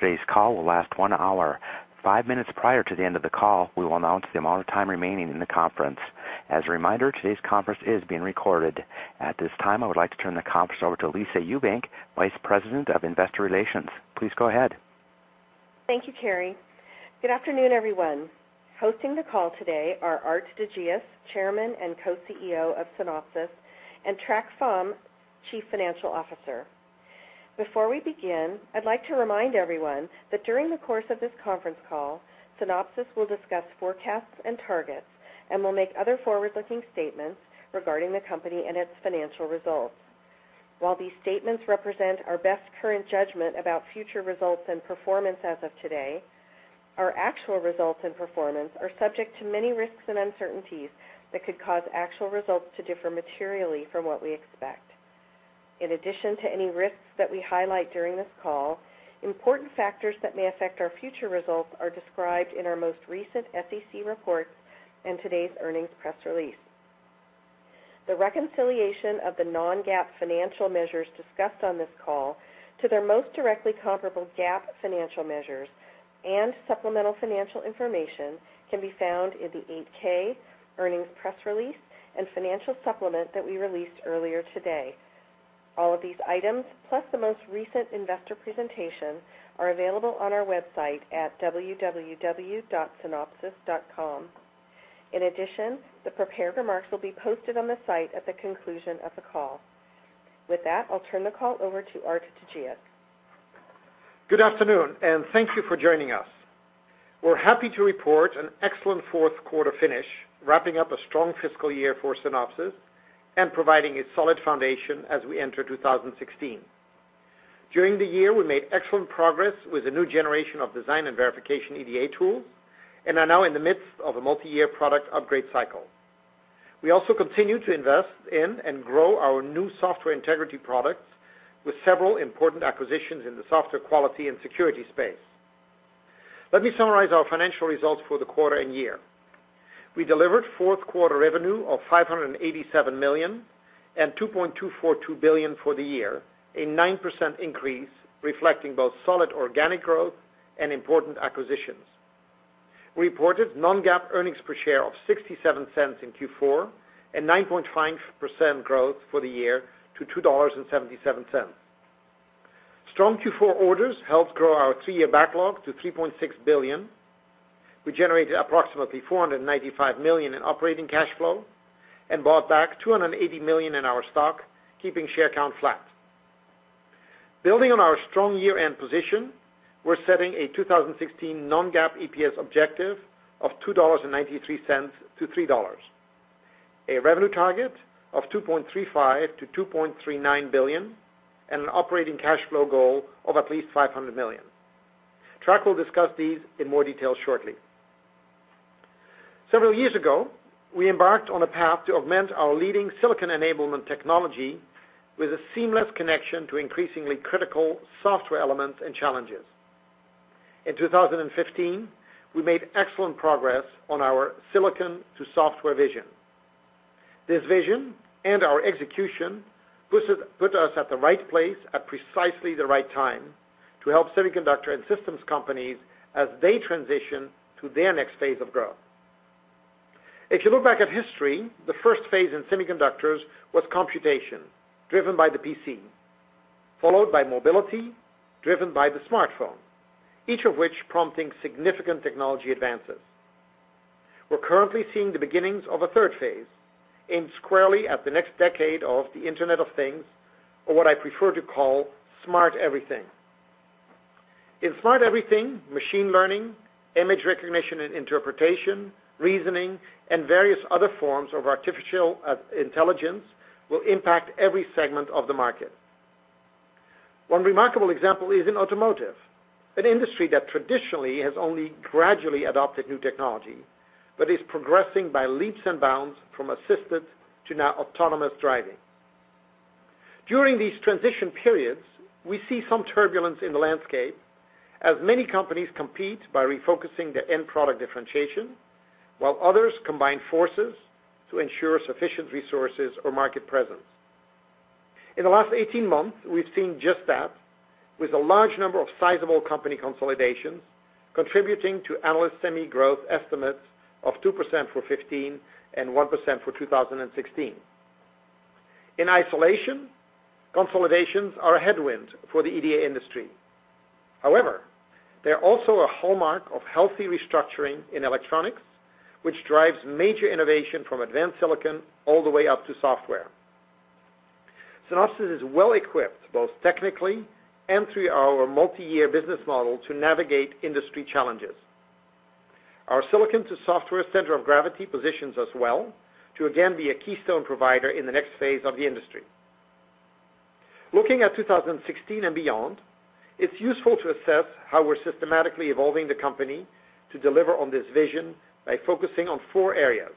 Today's call will last one hour. Five minutes prior to the end of the call, we will announce the amount of time remaining in the conference. As a reminder, today's conference is being recorded. At this time, I would like to turn the conference over to Lisa Ewbank, Vice President of Investor Relations. Please go ahead. Thank you, Terry. Good afternoon, everyone. Hosting the call today are Aart de Geus, Chairman and Co-CEO of Synopsys, and Trac Pham, Chief Financial Officer. Before we begin, I'd like to remind everyone that during the course of this conference call, Synopsys will discuss forecasts and targets and will make other forward-looking statements regarding the company and its financial results. While these statements represent our best current judgment about future results and performance as of today, our actual results and performance are subject to many risks and uncertainties that could cause actual results to differ materially from what we expect. In addition to any risks that we highlight during this call, important factors that may affect our future results are described in our most recent SEC reports and today's earnings press release. The reconciliation of the non-GAAP financial measures discussed on this call to their most directly comparable GAAP financial measures and supplemental financial information can be found in the 8-K earnings press release and financial supplement that we released earlier today. All of these items, plus the most recent investor presentation, are available on our website at www.synopsys.com. In addition, the prepared remarks will be posted on the site at the conclusion of the call. With that, I'll turn the call over to Aart de Geus. Good afternoon, and thank you for joining us. We're happy to report an excellent fourth quarter finish, wrapping up a strong fiscal year for Synopsys and providing a solid foundation as we enter 2016. During the year, we made excellent progress with a new generation of design and verification EDA tools and are now in the midst of a multi-year product upgrade cycle. We also continue to invest in and grow our new software integrity products with several important acquisitions in the software quality and security space. Let me summarize our financial results for the quarter and year. We delivered fourth quarter revenue of $587 million and $2.242 billion for the year, a 9% increase reflecting both solid organic growth and important acquisitions. Reported non-GAAP earnings per share of $0.67 in Q4, a 9.5% growth for the year to $2.77. Strong Q4 orders helped grow our three-year backlog to $3.6 billion. We generated approximately $495 million in operating cash flow and bought back $280 million in our stock, keeping share count flat. Building on our strong year-end position, we're setting a 2016 non-GAAP EPS objective of $2.93-$3, a revenue target of $2.35 billion-$2.39 billion, and an operating cash flow goal of at least $500 million. Trac will discuss these in more detail shortly. Several years ago, we embarked on a path to augment our leading silicon enablement technology with a seamless connection to increasingly critical software elements and challenges. In 2015, we made excellent progress on our silicon-to-software vision. This vision and our execution put us at the right place at precisely the right time to help semiconductor and systems companies as they transition to their next phase of growth. If you look back at history, the first phase in semiconductors was computation, driven by the PC, followed by mobility, driven by the smartphone, each of which prompting significant technology advances. We're currently seeing the beginnings of a third phase, aimed squarely at the next decade of the Internet of Things, or what I prefer to call Smart Everything. In Smart Everything, machine learning, image recognition and interpretation, reasoning, and various other forms of artificial intelligence will impact every segment of the market. One remarkable example is in automotive, an industry that traditionally has only gradually adopted new technology but is progressing by leaps and bounds from assisted to now autonomous driving. During these transition periods, we see some turbulence in the landscape as many companies compete by refocusing their end product differentiation, while others combine forces to ensure sufficient resources or market presence. In the last 18 months, we've seen just that, with a large number of sizable company consolidations contributing to analyst semi growth estimates of 2% for 2015 and 1% for 2016. In isolation, consolidations are a headwind for the EDA industry. However, they're also a hallmark of healthy restructuring in electronics, which drives major innovation from advanced silicon all the way up to software. Synopsys is well-equipped, both technically and through our multi-year business model, to navigate industry challenges. Our silicon-to-software center of gravity positions us well to again be a keystone provider in the next phase of the industry. Looking at 2016 and beyond, it's useful to assess how we're systematically evolving the company to deliver on this vision by focusing on four areas.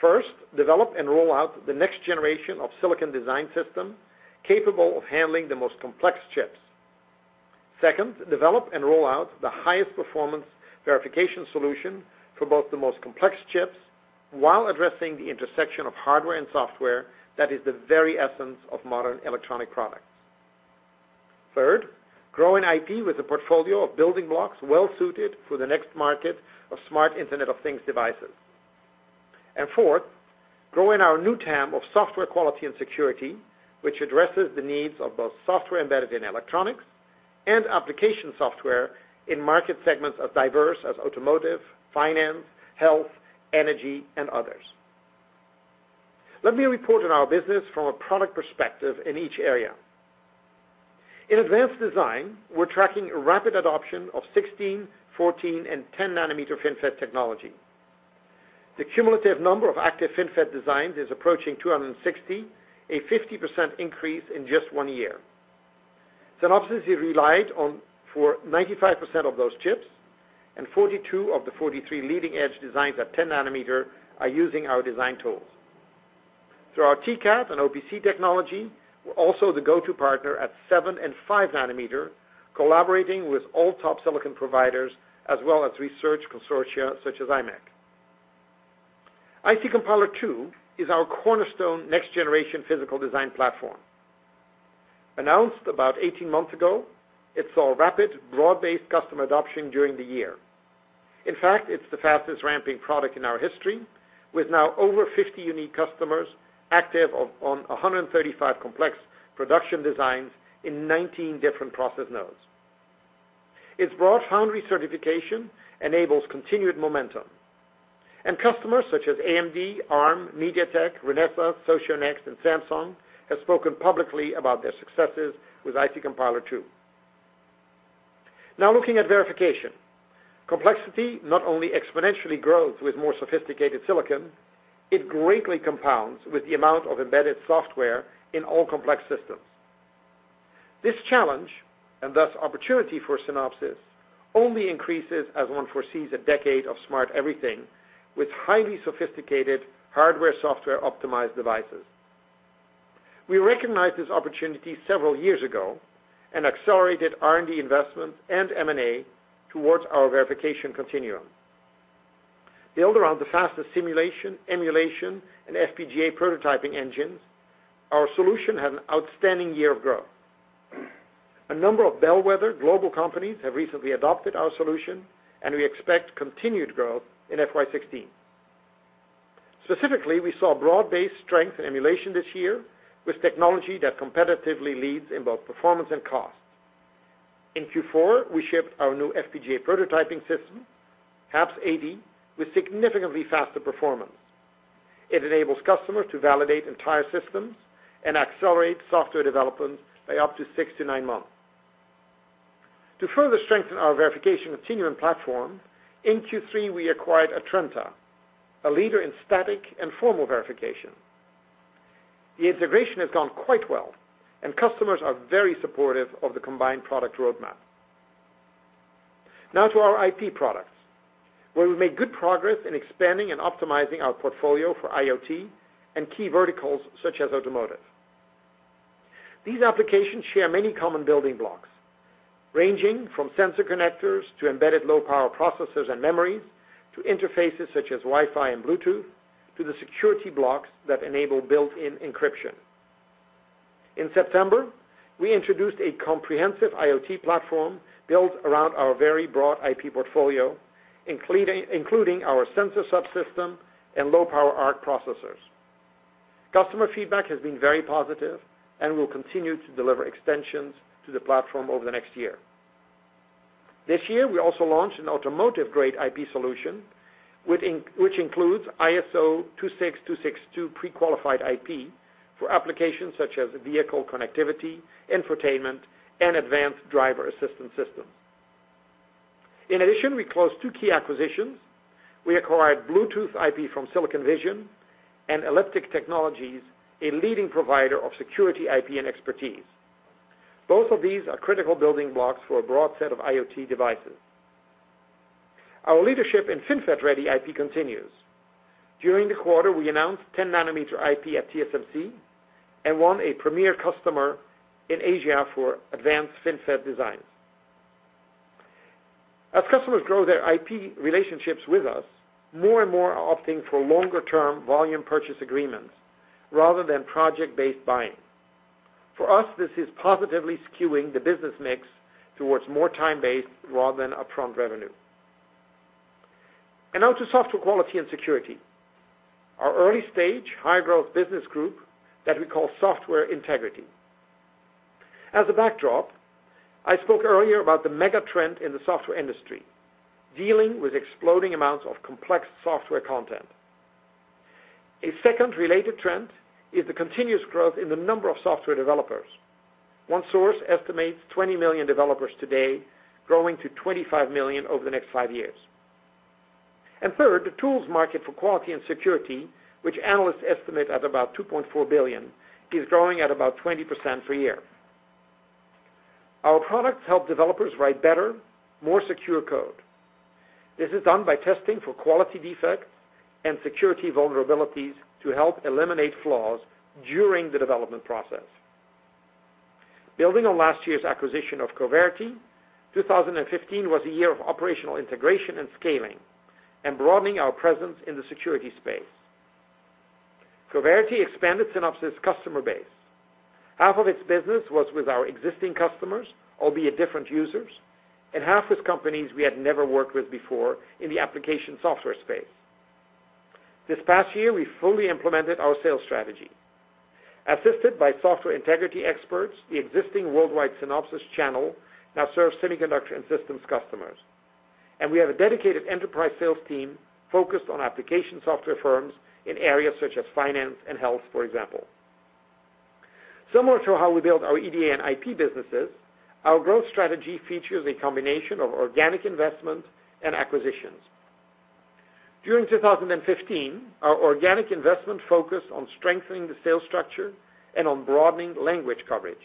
First, develop and roll out the next generation of silicon design system capable of handling the most complex chips. Second, develop and roll out the highest performance verification solution for both the most complex chips while addressing the intersection of hardware and software, that is the very essence of modern electronic products. Third, growing IP with a portfolio of building blocks well-suited for the next market of smart Internet of Things devices. Fourth, growing our new TAM of software quality and security, which addresses the needs of both software embedded in electronics and application software in market segments as diverse as automotive, finance, health, energy, and others. Let me report on our business from a product perspective in each area. In advanced design, we're tracking rapid adoption of 16, 14, and 10 nm FinFET technology. The cumulative number of active FinFET designs is approaching 260, a 50% increase in just one year. Synopsys is relied on for 95% of those chips, 42 of the 43 leading-edge designs at 10 nm are using our design tools. Through our TCAD and OPC technology, we're also the go-to partner at 7 and 5 nm, collaborating with all top silicon providers, as well as research consortia such as imec. IC Compiler II is our cornerstone next-generation physical design platform. Announced about 18 months ago, it saw rapid, broad-based customer adoption during the year. In fact, it's the fastest ramping product in our history, with now over 50 unique customers active on 135 complex production designs in 19 different process nodes. Its broad foundry certification enables continued momentum, and customers such as AMD, Arm, MediaTek, Renesas, Socionext, and Samsung have spoken publicly about their successes with IC Compiler II. Looking at verification. Complexity not only exponentially grows with more sophisticated silicon, it greatly compounds with the amount of embedded software in all complex systems. This challenge, and thus opportunity for Synopsys, only increases as one foresees a decade of Smart Everything with highly sophisticated hardware-software optimized devices. We recognized this opportunity several years ago and accelerated R&D investment and M&A towards our Verification Continuum. Built around the fastest simulation, emulation, and FPGA prototyping engines, our solution had an outstanding year of growth. A number of bellwether global companies have recently adopted our solution, and we expect continued growth in FY 2016. Specifically, we saw broad-based strength in emulation this year with technology that competitively leads in both performance and cost. In Q4, we shipped our new FPGA prototyping system, HAPS-80, with significantly faster performance. It enables customers to validate entire systems and accelerate software development by up to six to nine months. To further strengthen our Verification Continuum platform, in Q3, we acquired Atrenta, a leader in static and formal verification. The integration has gone quite well, and customers are very supportive of the combined product roadmap. To our IP products, where we've made good progress in expanding and optimizing our portfolio for IoT and key verticals such as automotive. These applications share many common building blocks, ranging from sensor connectors to embedded low-power processors and memories, to interfaces such as Wi-Fi and Bluetooth, to the security blocks that enable built-in encryption. In September, we introduced a comprehensive IoT platform built around our very broad IP portfolio, including our sensor subsystem and low-power ARC processors. Customer feedback has been very positive, and we'll continue to deliver extensions to the platform over the next year. This year, we also launched an automotive-grade IP solution, which includes ISO 26262 pre-qualified IP for applications such as vehicle connectivity, infotainment, and advanced driver assistance systems. In addition, we closed two key acquisitions. We acquired Bluetooth IP from Silicon Vision and Elliptic Technologies, a leading provider of security IP and expertise. Both of these are critical building blocks for a broad set of IoT devices. Our leadership in FinFET-ready IP continues. During the quarter, we announced 10 nanometer IP at TSMC and won a premier customer in Asia for advanced FinFET designs. As customers grow their IP relationships with us, more and more are opting for longer-term volume purchase agreements rather than project-based buying. For us, this is positively skewing the business mix towards more time-based rather than upfront revenue. Now to software quality and security, our early-stage, high-growth business group that we call Software Integrity. As a backdrop, I spoke earlier about the mega trend in the software industry, dealing with exploding amounts of complex software content. A second related trend is the continuous growth in the number of software developers. One source estimates 20 million developers today, growing to 25 million over the next five years. Third, the tools market for quality and security, which analysts estimate at about $2.4 billion, is growing at about 20% per year. Our products help developers write better, more secure code. This is done by testing for quality defects and security vulnerabilities to help eliminate flaws during the development process. Building on last year's acquisition of Coverity, 2015 was a year of operational integration and scaling and broadening our presence in the security space. Coverity expanded Synopsys' customer base. Half of its business was with our existing customers, albeit different users, and half with companies we had never worked with before in the application software space. This past year, we fully implemented our sales strategy. Assisted by Software Integrity experts, the existing worldwide Synopsys channel now serves semiconductor and systems customers. We have a dedicated enterprise sales team focused on application software firms in areas such as finance and health, for example. Similar to how we build our EDA and IP businesses, our growth strategy features a combination of organic investment and acquisitions. During 2015, our organic investment focused on strengthening the sales structure and on broadening language coverage.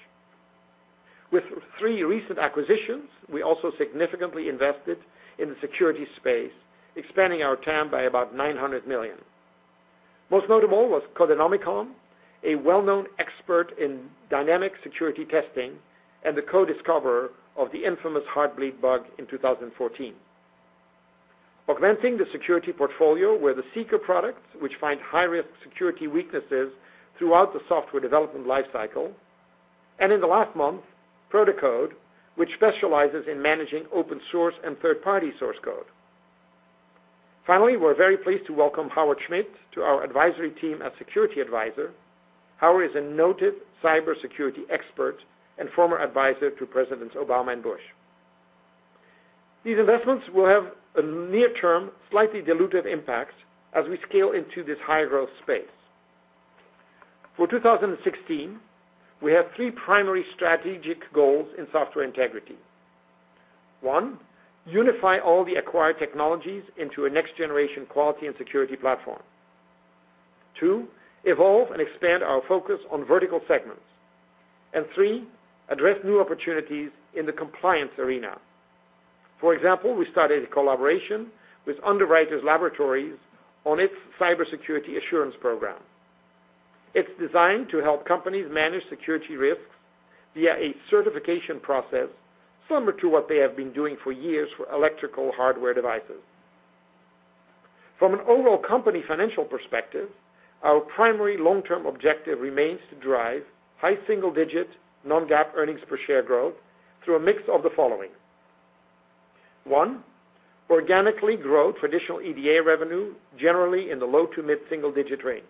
With three recent acquisitions, we also significantly invested in the security space, expanding our TAM by about $900 million. Most notable was Codenomicon, a well-known expert in dynamic security testing and the co-discoverer of the infamous Heartbleed bug in 2014. Augmenting the security portfolio were the Seeker products, which find high-risk security weaknesses throughout the software development life cycle, and in the last month, Protecode, which specializes in managing open source and third-party source code. Finally, we're very pleased to welcome Howard Schmidt to our advisory team as security advisor. Howard is a noted cybersecurity expert and former advisor to Presidents Obama and Bush. These investments will have a near-term, slightly dilutive impact as we scale into this high-growth space. For 2016, we have three primary strategic goals in Software Integrity. One, unify all the acquired technologies into a next-generation quality and security platform. Two, evolve and expand our focus on vertical segments. Three, address new opportunities in the compliance arena. For example, we started a collaboration with Underwriters Laboratories on its cybersecurity assurance program. It's designed to help companies manage security risks via a certification process similar to what they have been doing for years for electrical hardware devices. From an overall company financial perspective, our primary long-term objective remains to drive high single-digit non-GAAP earnings per share growth through a mix of the following. One, organically grow traditional EDA revenue, generally in the low to mid single-digit range.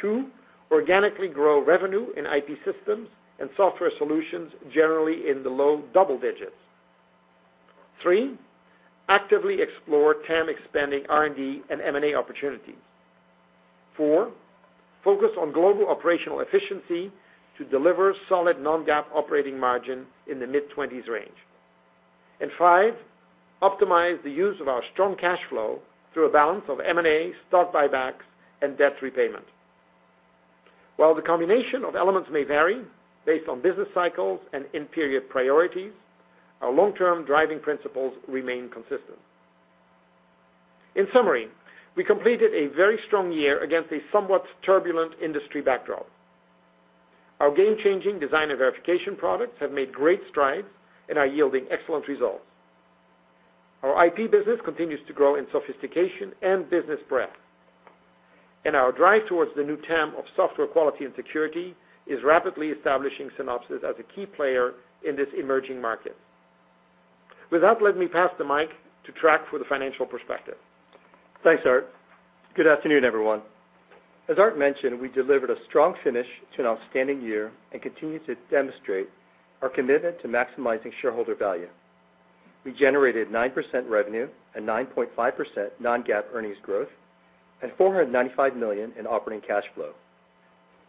Two, organically grow revenue in IP systems and software solutions, generally in the low double digits. Three, actively explore TAM expanding R&D and M&A opportunities. Four, focus on global operational efficiency to deliver solid non-GAAP operating margin in the mid-20s range. Five, optimize the use of our strong cash flow through a balance of M&A, stock buybacks, and debt repayment. While the combination of elements may vary based on business cycles and in-period priorities, our long-term driving principles remain consistent. In summary, we completed a very strong year against a somewhat turbulent industry backdrop. Our game-changing design and verification products have made great strides and are yielding excellent results. Our IP business continues to grow in sophistication and business breadth. Our drive towards the new TAM of software quality and security is rapidly establishing Synopsys as a key player in this emerging market. With that, let me pass the mic to Trac for the financial perspective. Thanks, Aart. Good afternoon, everyone. As Aart mentioned, we delivered a strong finish to an outstanding year and continue to demonstrate our commitment to maximizing shareholder value. We generated 9% revenue and 9.5% non-GAAP earnings growth and $495 million in operating cash flow.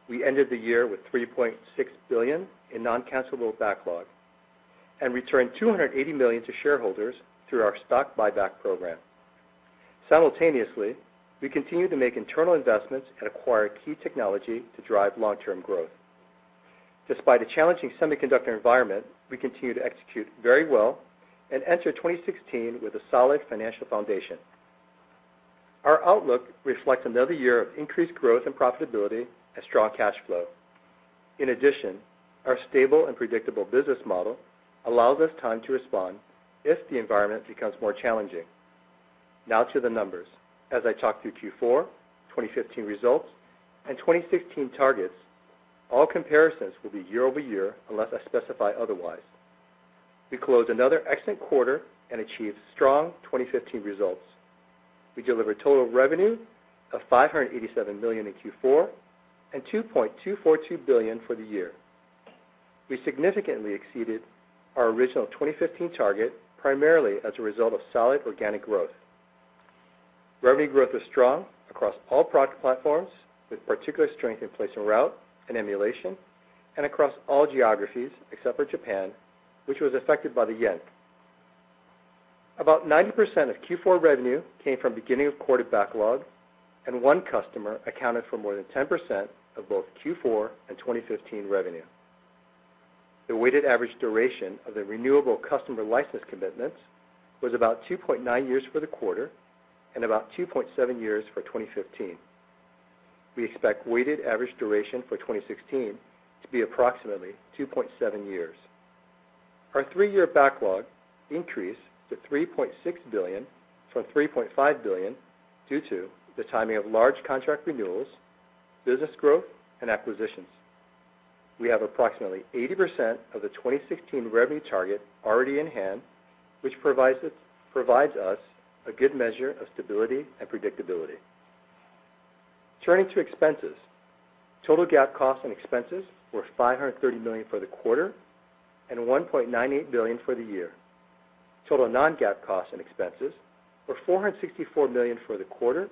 We ended the year with $3.6 billion in non-cancellable backlog and returned $280 million to shareholders through our stock buyback program. Simultaneously, we continued to make internal investments and acquire key technology to drive long-term growth. Despite a challenging semiconductor environment, we continue to execute very well and enter 2016 with a solid financial foundation. Our outlook reflects another year of increased growth and profitability and strong cash flow. In addition, our stable and predictable business model allows us time to respond if the environment becomes more challenging. Now to the numbers. As I talk through Q4 2015 results and 2016 targets, all comparisons will be year-over-year unless I specify otherwise. We closed another excellent quarter and achieved strong 2015 results. We delivered total revenue of $587 million in Q4 and $2.242 billion for the year. We significantly exceeded our original 2015 target, primarily as a result of solid organic growth. Revenue growth was strong across all product platforms, with particular strength in place and route and emulation, and across all geographies, except for Japan, which was affected by the yen. About 90% of Q4 revenue came from beginning of quarter backlog, and one customer accounted for more than 10% of both Q4 and 2015 revenue. The weighted average duration of the renewable customer license commitments was about 2.9 years for the quarter and about 2.7 years for 2015. We expect weighted average duration for 2016 to be approximately 2.7 years. Our three-year backlog increased to $3.6 billion from $3.5 billion due to the timing of large contract renewals, business growth, and acquisitions. We have approximately 80% of the 2016 revenue target already in hand, which provides us a good measure of stability and predictability. Turning to expenses. Total GAAP costs and expenses were $530 million for the quarter and $1.98 billion for the year. Total non-GAAP costs and expenses were $464 million for the quarter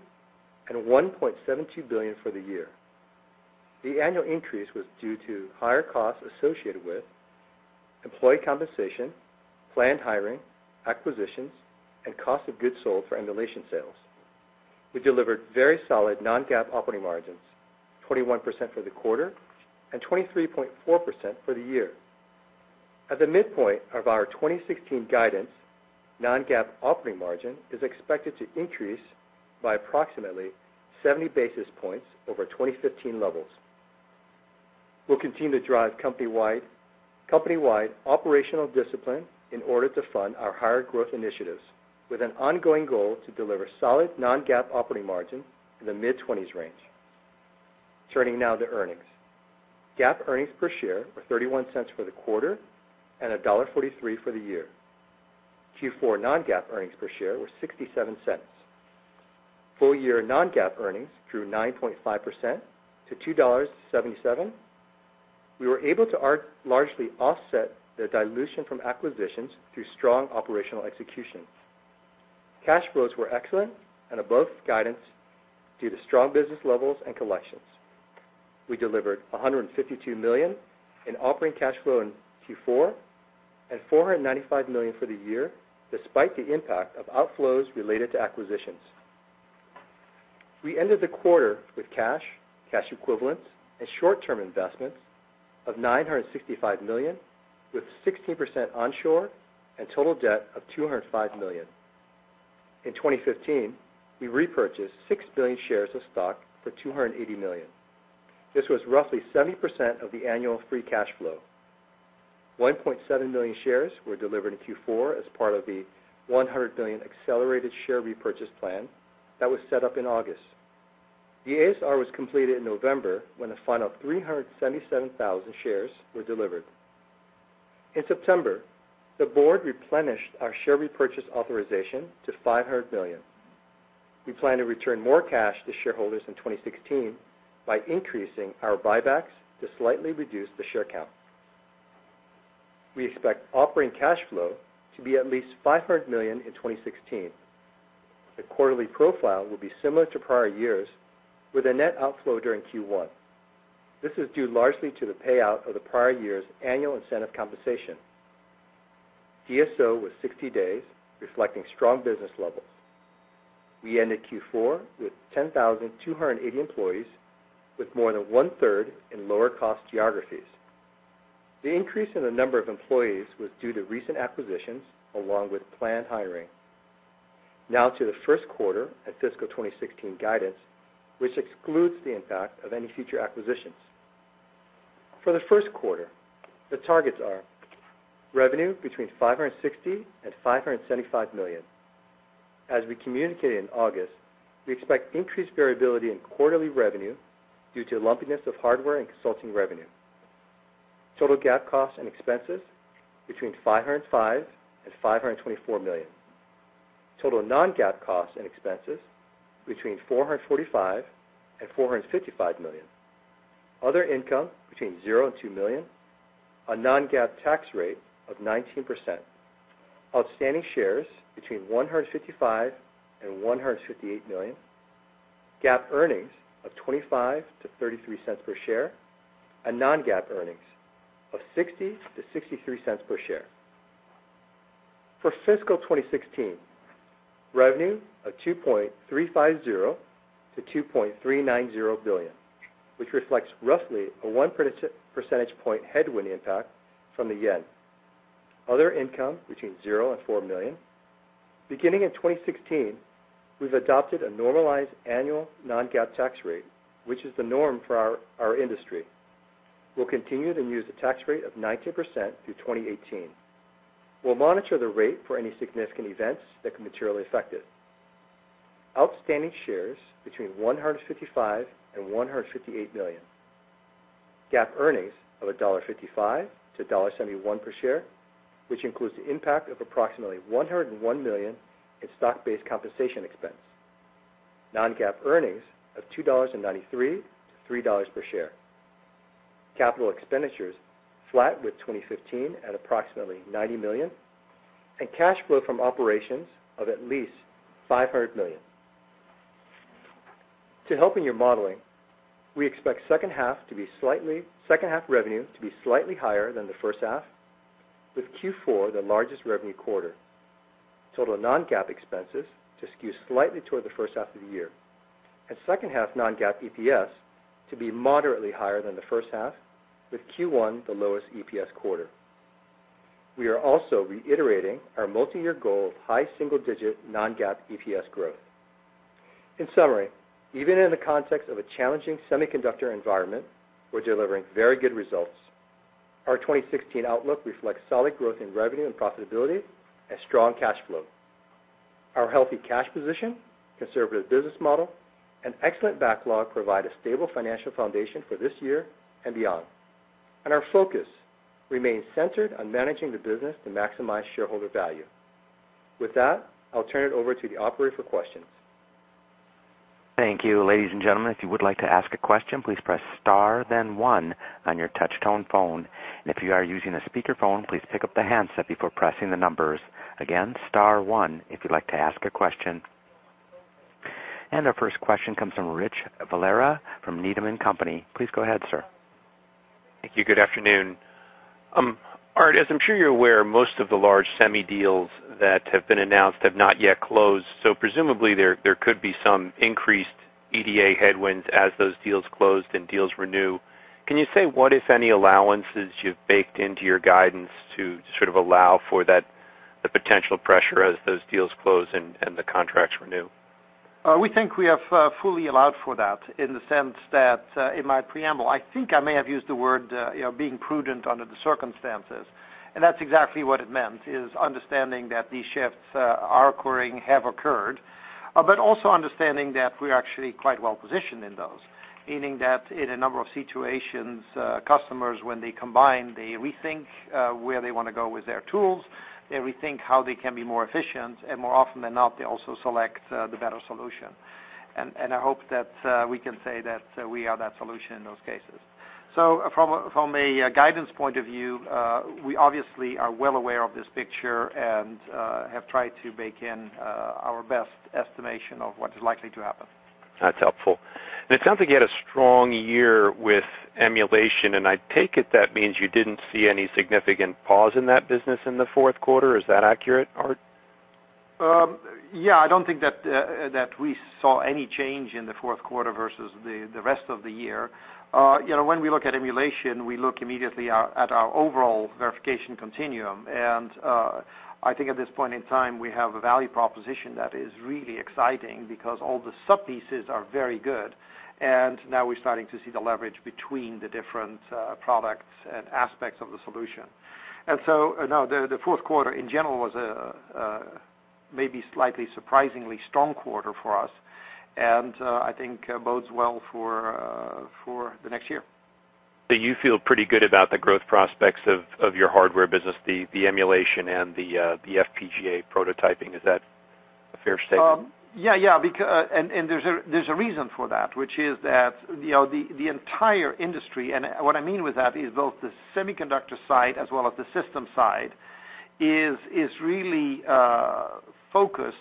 and $1.72 billion for the year. The annual increase was due to higher costs associated with employee compensation, planned hiring, acquisitions, and cost of goods sold for emulation sales. We delivered very solid non-GAAP operating margins, 21% for the quarter and 23.4% for the year. At the midpoint of our 2016 guidance, non-GAAP operating margin is expected to increase by approximately 70 basis points over 2015 levels. We'll continue to drive company-wide operational discipline in order to fund our higher growth initiatives, with an ongoing goal to deliver solid non-GAAP operating margin in the mid-20s range. Turning now to earnings. GAAP earnings per share were $0.31 for the quarter and $1.43 for the year. Q4 non-GAAP earnings per share were $0.67. Full-year non-GAAP earnings grew 9.5% to $2.77. We were able to largely offset the dilution from acquisitions through strong operational execution. Cash flows were excellent and above guidance due to strong business levels and collections. We delivered $152 million in operating cash flow in Q4 and $495 million for the year, despite the impact of outflows related to acquisitions. We ended the quarter with cash equivalents, and short-term investments of $965 million, with 16% onshore and total debt of $205 million. In 2015, we repurchased 6 million shares of stock for $280 million. This was roughly 70% of the annual free cash flow. 1.7 million shares were delivered in Q4 as part of the $100 million accelerated share repurchase plan that was set up in August. The ASR was completed in November, when a final 377,000 shares were delivered. In September, the board replenished our share repurchase authorization to $500 million. We plan to return more cash to shareholders in 2016 by increasing our buybacks to slightly reduce the share count. We expect operating cash flow to be at least $500 million in 2016. The quarterly profile will be similar to prior years, with a net outflow during Q1. This is due largely to the payout of the prior year's annual incentive compensation. DSO was 60 days, reflecting strong business levels. We ended Q4 with 10,280 employees, with more than one-third in lower-cost geographies. The increase in the number of employees was due to recent acquisitions along with planned hiring. To the first quarter and fiscal 2016 guidance, which excludes the impact of any future acquisitions. For the first quarter, the targets are revenue between $560 million-$575 million. As we communicated in August, we expect increased variability in quarterly revenue due to lumpiness of hardware and consulting revenue. Total GAAP costs and expenses between $505 million-$524 million. Total non-GAAP costs and expenses between $445 million-$455 million. Other income between $0-$2 million. A non-GAAP tax rate of 19%. Outstanding shares between 155 million-158 million. GAAP earnings of $0.25-$0.33 per share, and non-GAAP earnings of $0.60-$0.63 per share. For fiscal 2016, revenue of $2.350 billion-$2.390 billion, which reflects roughly a one percentage point headwind impact from the yen. Other income between $0-$4 million. Beginning in 2016, we've adopted a normalized annual non-GAAP tax rate, which is the norm for our industry. We'll continue to use a tax rate of 19% through 2018. We'll monitor the rate for any significant events that can materially affect it. Outstanding shares between 155 million-158 million. GAAP earnings of $1.55-$1.71 per share, which includes the impact of approximately $101 million in stock-based compensation expense. Non-GAAP earnings of $2.93-$3.00 per share. Capital expenditures flat with 2015 at approximately $90 million, and cash flow from operations of at least $500 million. To help in your modeling, we expect second half revenue to be slightly higher than the first half, with Q4 the largest revenue quarter. Total non-GAAP expenses to skew slightly toward the first half of the year, second half non-GAAP EPS to be moderately higher than the first half, with Q1 the lowest EPS quarter. We are also reiterating our multi-year goal of high single-digit non-GAAP EPS growth. In summary, even in the context of a challenging semiconductor environment, we're delivering very good results. Our 2016 outlook reflects solid growth in revenue and profitability and strong cash flow. Our healthy cash position, conservative business model, and excellent backlog provide a stable financial foundation for this year and beyond. Our focus remains centered on managing the business to maximize shareholder value. With that, I'll turn it over to the operator for questions. Thank you. Ladies and gentlemen, if you would like to ask a question, please press star then one on your touch-tone phone. If you are using a speakerphone, please pick up the handset before pressing the numbers. Again, star one if you'd like to ask a question. Our first question comes from Rich Valera from Needham & Company. Please go ahead, sir. Thank you. Good afternoon. Aart, as I'm sure you're aware, most of the large semi deals that have been announced have not yet closed. Presumably, there could be some increased EDA headwinds as those deals closed and deals renew. Can you say what, if any, allowances you've baked into your guidance to sort of allow for the potential pressure as those deals close and the contracts renew? We think we have fully allowed for that in the sense that, in my preamble, I think I may have used the word being prudent under the circumstances. That's exactly what it meant, is understanding that these shifts are occurring, have occurred, but also understanding that we're actually quite well-positioned in those. Meaning that in a number of situations, customers, when they combine, they rethink where they want to go with their tools, they rethink how they can be more efficient, and more often than not, they also select the better solution. I hope that we can say that we are that solution in those cases. From a guidance point of view, we obviously are well aware of this picture and have tried to bake in our best estimation of what is likely to happen. That's helpful. It sounds like you had a strong year with emulation, and I take it that means you didn't see any significant pause in that business in the fourth quarter. Is that accurate, Aart? Yeah. I don't think that we saw any change in the fourth quarter versus the rest of the year. When we look at emulation, we look immediately at our overall Verification Continuum, and I think at this point in time, we have a value proposition that is really exciting because all the sub-pieces are very good, and now we're starting to see the leverage between the different products and aspects of the solution. No, the fourth quarter in general was a maybe slightly surprisingly strong quarter for us, and I think bodes well for the next year. You feel pretty good about the growth prospects of your hardware business, the emulation, and the FPGA prototyping. Is that a fair statement? Yeah. There's a reason for that, which is that the entire industry, and what I mean with that is both the semiconductor side as well as the system side, is really focused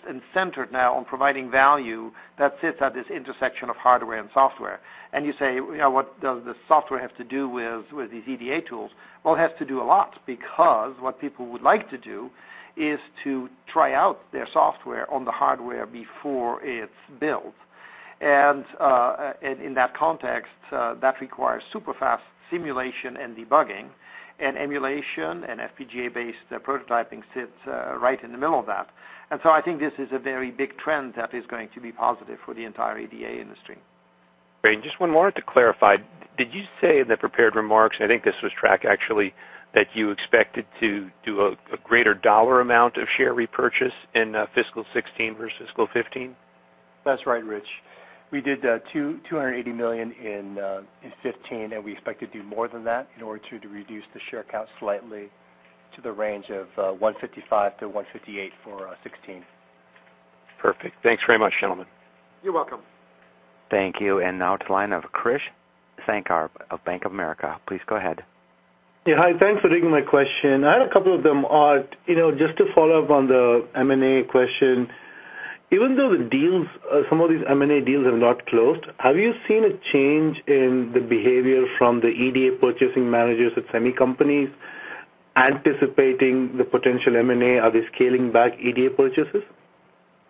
and centered now on providing value that sits at this intersection of hardware and software. You say, what does the software have to do with these EDA tools? Well, it has to do a lot because what people would like to do is to try out their software on the hardware before it's built. In that context, that requires super-fast simulation and debugging, and emulation and FPGA-based prototyping sits right in the middle of that. I think this is a very big trend that is going to be positive for the entire EDA industry. Great. Just one more to clarify. Did you say in the prepared remarks, I think this was Trac, actually, that you expected to do a greater dollar amount of share repurchase in fiscal 2016 versus fiscal 2015? That's right, Rich. We did $280 million in 2015, We expect to do more than that in order to reduce the share count slightly to the range of 155-158 for 2016. Perfect. Thanks very much, gentlemen. You're welcome. Thank you. Now to the line of Krish Sankar of Bank of America. Please go ahead. Hi, thanks for taking my question. I had a couple of them, Aart. Just to follow up on the M&A question. Even though some of these M&A deals have not closed, have you seen a change in the behavior from the EDA purchasing managers at semi companies anticipating the potential M&A? Are they scaling back EDA purchases?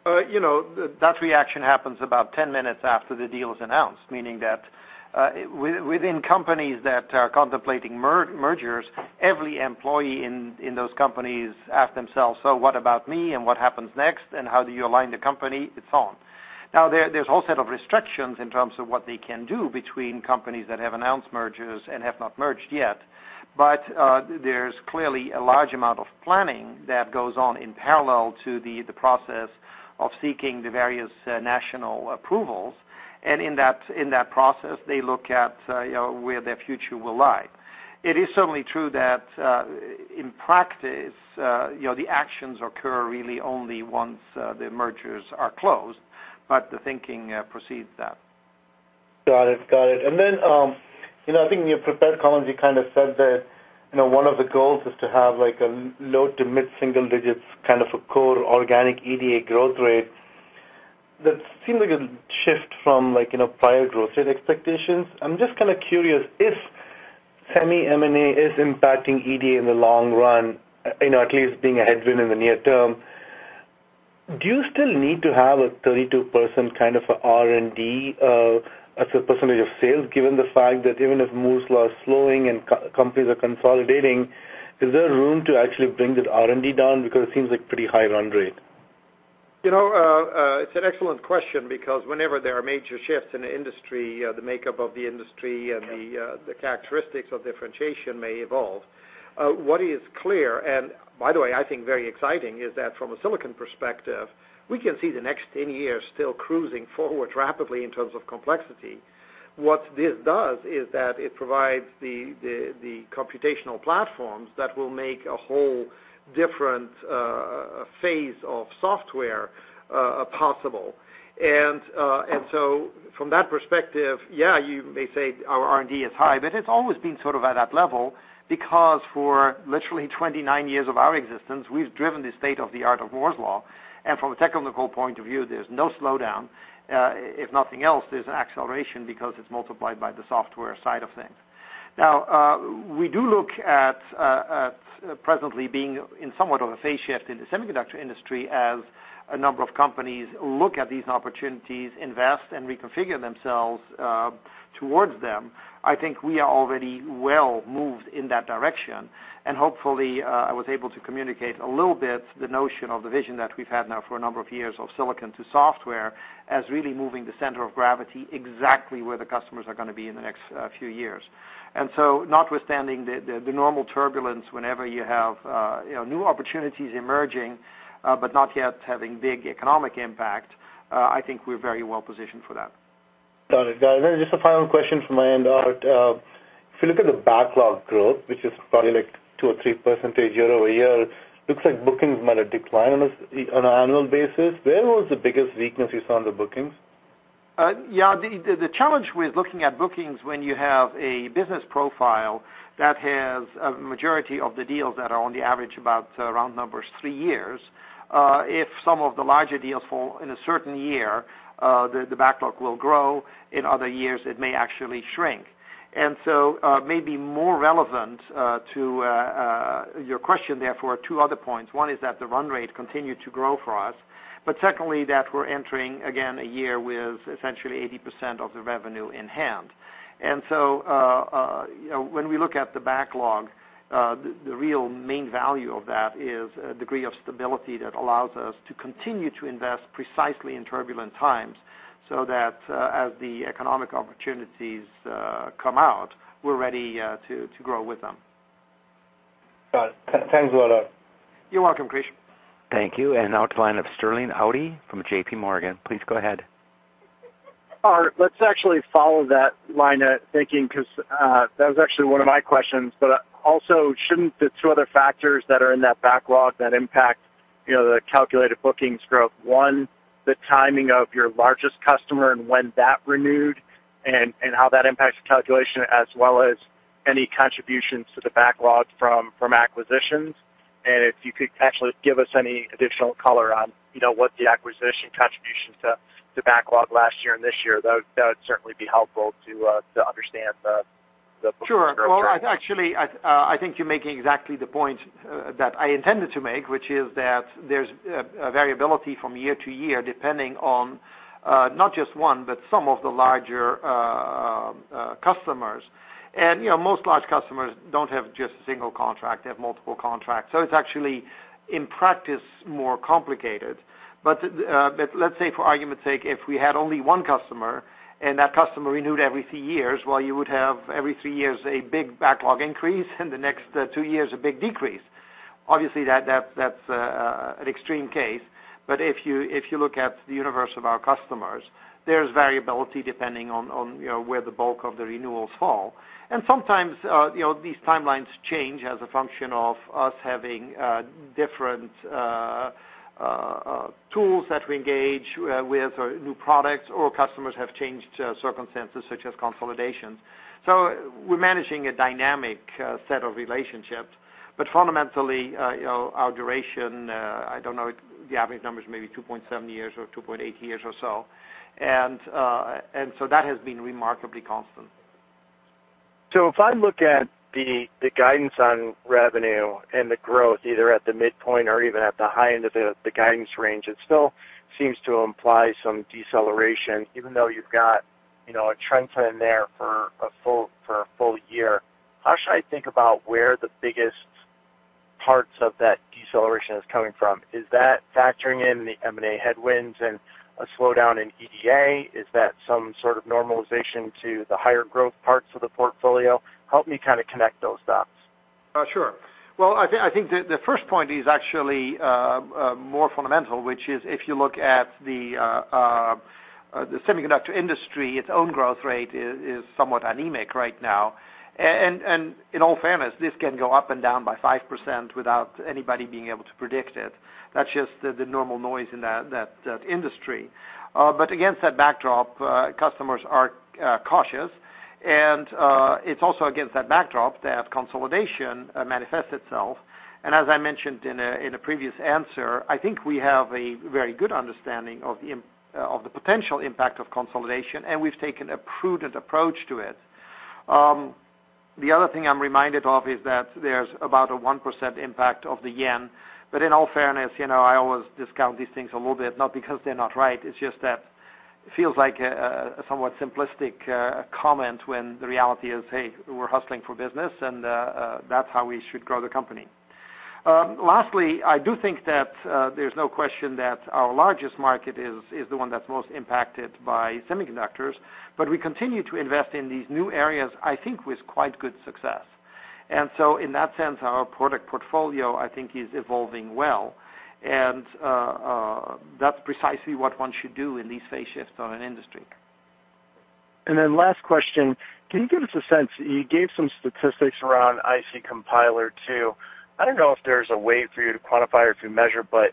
That reaction happens about 10 minutes after the deal is announced, meaning that within companies that are contemplating mergers, every employee in those companies ask themselves, "So what about me, and what happens next, and how do you align the company?" It's on. Now, there's a whole set of restrictions in terms of what they can do between companies that have announced mergers and have not merged yet. There's clearly a large amount of planning that goes on in parallel to the process of seeking the various national approvals. In that process, they look at where their future will lie. It is certainly true that, in practice the actions occur really only once the mergers are closed, but the thinking precedes that. Got it. I think in your prepared comments, you kind of said that one of the goals is to have a low to mid-single-digit core organic EDA growth rate. That seemed like a shift from prior growth rate expectations. I'm just kind of curious if semi M&A is impacting EDA in the long run, at least being a headwind in the near term. Do you still need to have a 32% kind of R&D as a percentage of sales, given the fact that even if Moore's Law is slowing and companies are consolidating, is there room to actually bring that R&D down? Because it seems like pretty high run rate. It's an excellent question because whenever there are major shifts in the industry, the makeup of the industry and the characteristics of differentiation may evolve. What is clear, and by the way, I think very exciting, is that from a silicon perspective, we can see the next 10 years still cruising forward rapidly in terms of complexity. What this does is that it provides the computational platforms that will make a whole different phase of software possible. From that perspective, yeah, you may say our R&D is high, but it's always been sort of at that level because for literally 29 years of our existence, we've driven the state-of-the-art of Moore's Law. From a technical point of view, there's no slowdown. If nothing else, there's an acceleration because it's multiplied by the software side of things. We do look at presently being in somewhat of a phase shift in the semiconductor industry as a number of companies look at these opportunities, invest, and reconfigure themselves towards them. I think we are already well moved in that direction, and hopefully, I was able to communicate a little bit the notion of the vision that we've had now for a number of years of silicon to software as really moving the center of gravity exactly where the customers are going to be in the next few years. Notwithstanding the normal turbulence whenever you have new opportunities emerging, but not yet having big economic impact, I think we're very well positioned for that. Got it. Got it. Just a final question from my end, Aart. If you look at the backlog growth, which is probably like 2% or 3% year-over-year, looks like bookings might have declined on an annual basis. Where was the biggest weakness you saw on the bookings? Yeah. The challenge with looking at bookings when you have a business profile that has a majority of the deals that are on the average about round numbers, three years, if some of the larger deals fall in a certain year, the backlog will grow. In other years, it may actually shrink. Maybe more relevant to your question, therefore, are two other points. One is that the run rate continued to grow for us, but secondly, that we're entering again, a year with essentially 80% of the revenue in hand. When we look at the backlog, the real main value of that is a degree of stability that allows us to continue to invest precisely in turbulent times so that as the economic opportunities come out, we're ready to grow with them. Got it. Thanks a lot, Aart. You're welcome, Krish. Thank you. Now to the line of Sterling Auty from JPMorgan. Please go ahead. Aart, let's actually follow that line of thinking because that was actually one of my questions. Shouldn't the two other factors that are in that backlog that impact the calculated bookings growth, one, the timing of your largest customer and when that renewed and how that impacts the calculation as well as any contributions to the backlog from acquisitions? If you could actually give us any additional color on what's the acquisition contribution to backlog last year and this year, that would certainly be helpful to understand. Sure. Well, actually, I think you're making exactly the point that I intended to make, which is that there's a variability from year to year, depending on not just one, but some of the larger customers. Most large customers don't have just a single contract, they have multiple contracts. It's actually, in practice, more complicated. Let's say for argument's sake, if we had only one customer and that customer renewed every three years, well, you would have every three years a big backlog increase, in the next two years, a big decrease. Obviously, that's an extreme case. If you look at the universe of our customers, there's variability depending on where the bulk of the renewals fall. Sometimes, these timelines change as a function of us having different tools that we engage with or new products or customers have changed circumstances such as consolidation. We're managing a dynamic set of relationships. Fundamentally, our duration, I don't know, the average number is maybe 2.7 years or 2.8 years or so. That has been remarkably constant. If I look at the guidance on revenue and the growth, either at the midpoint or even at the high end of the guidance range, it still seems to imply some deceleration even though you've got a trend line there for a full year. How should I think about where the biggest parts of that deceleration is coming from? Is that factoring in the M&A headwinds and a slowdown in EDA? Is that some sort of normalization to the higher growth parts of the portfolio? Help me kind of connect those dots. Sure. Well, I think the first point is actually more fundamental, which is if you look at the semiconductor industry, its own growth rate is somewhat anemic right now. In all fairness, this can go up and down by 5% without anybody being able to predict it. That's just the normal noise in that industry. Against that backdrop, customers are cautious, and it's also against that backdrop that consolidation manifests itself. As I mentioned in a previous answer, I think we have a very good understanding of the potential impact of consolidation, and we've taken a prudent approach to it. The other thing I'm reminded of is that there's about a 1% impact of the yen. In all fairness, I always discount these things a little bit, not because they're not right. It's just that it feels like a somewhat simplistic comment when the reality is, hey, we're hustling for business, That's how we should grow the company. Lastly, I do think that there's no question that our largest market is the one that's most impacted by semiconductors, We continue to invest in these new areas, I think, with quite good success. In that sense, our product portfolio, I think, is evolving well. That's precisely what one should do in these phase shifts of an industry. Last question. Can you give us a sense, you gave some statistics around IC Compiler II. I don't know if there's a way for you to quantify or to measure, but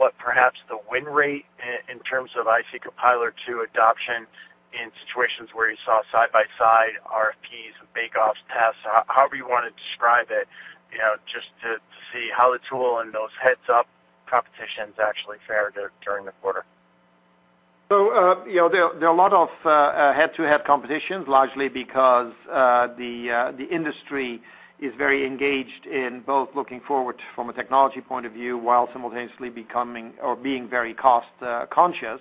what perhaps the win rate in terms of IC Compiler II adoption in situations where you saw side-by-side RFPs, bake-offs, tests, however you want to describe it, just to see how the tool in those heads-up competitions actually fared during the quarter. There are a lot of head-to-head competitions, largely because the industry is very engaged in both looking forward from a technology point of view, while simultaneously becoming or being very cost conscious.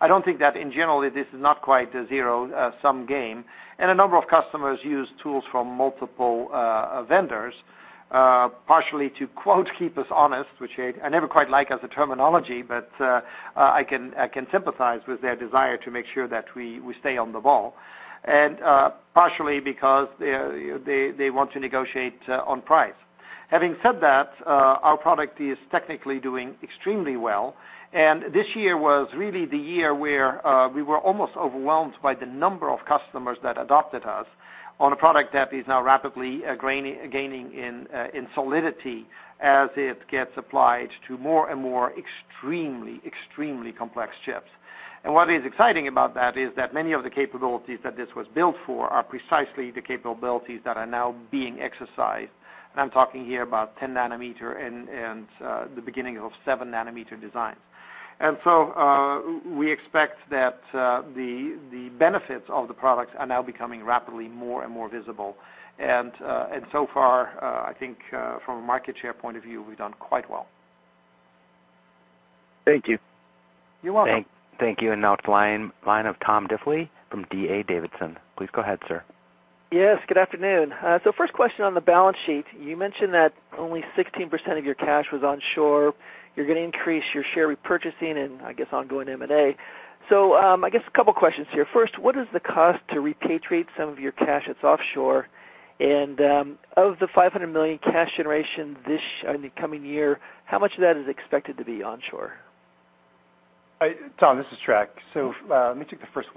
I don't think that in general, this is not quite a zero-sum game, A number of customers use tools from multiple vendors, partially to, quote, "Keep us honest," which I never quite like as a terminology, but I can sympathize with their desire to make sure that we stay on the ball, Partially because they want to negotiate on price. Having said that, our product is technically doing extremely well, This year was really the year where we were almost overwhelmed by the number of customers that adopted us on a product that is now rapidly gaining in solidity as it gets applied to more and more extremely complex chips. What is exciting about that is that many of the capabilities that this was built for are precisely the capabilities that are now being exercised. I'm talking here about 10 nm and the beginning of 7-nm designs. We expect that the benefits of the products are now becoming rapidly more and more visible. So far, I think from a market share point of view, we've done quite well. Thank you. You're welcome. Thank you. Now the line of Tom Diffley from D.A. Davidson. Please go ahead, sir. Yes, good afternoon. First question on the balance sheet. You mentioned that only 16% of your cash was onshore. You're going to increase your share repurchasing and I guess ongoing M&A. I guess a couple of questions here. First, what is the cost to repatriate some of your cash that's offshore? Of the $500 million cash generation in the coming year, how much of that is expected to be onshore? Tom, this is Trac. Let me take the first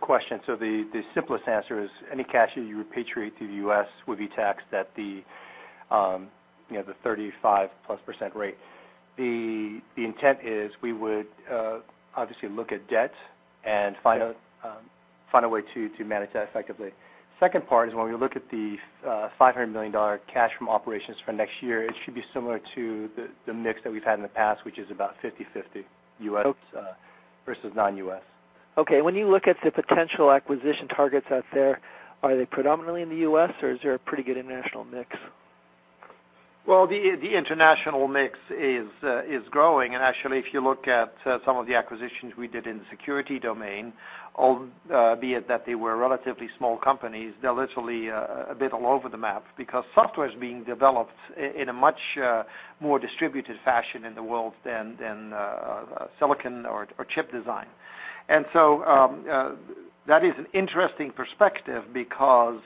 question. The simplest answer is any cash that you repatriate to the U.S. would be taxed at the 35%+ rate. The intent is we would obviously look at debt and find a way to manage that effectively. Second part is when we look at the $500 million cash from operations for next year, it should be similar to the mix that we've had in the past, which is about 50/50 U.S. versus non-U.S. Okay, when you look at the potential acquisition targets out there, are they predominantly in the U.S. or is there a pretty good international mix? Well, the international mix is growing. Actually if you look at some of the acquisitions we did in the security domain, albeit that they were relatively small companies, they're literally a bit all over the map because software is being developed in a much more distributed fashion in the world than silicon or chip design. That is an interesting perspective because